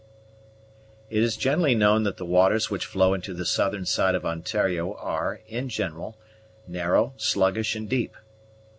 It is generally known that the waters which flow into the southern side of Ontario are, in general, narrow, sluggish, and deep.